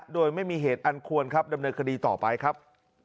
โดยไม่มีเหตุอันควรครับดำเนินคดีต่อไปครับ